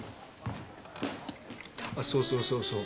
あっそうそうそうそう。